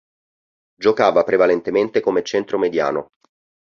Giocava prevalentemente come centromediano.